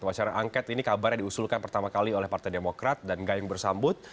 wacana angket ini kabarnya diusulkan pertama kali oleh partai demokrat dan gayung bersambut